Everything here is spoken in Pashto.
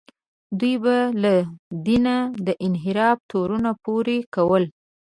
دوی به له دینه د انحراف تورونه پورې کول.